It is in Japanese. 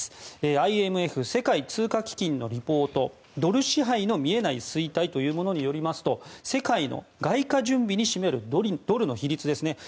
ＩＭＦ・世界通貨基金のリポート「ドル支配の見えない衰退」というものによりますと世界の外貨準備に占めるドルの比率ですね。